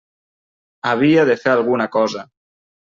Havia de fer alguna cosa.